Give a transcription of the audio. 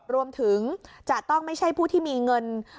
รวมถึงจะต้องไม่ใช่ผู้ที่มีเงิน